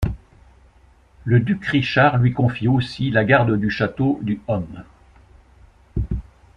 Le duc Richard lui confie aussi la garde du château du Homme.